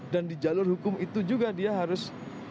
dan di jalur hukum itu juga dia harus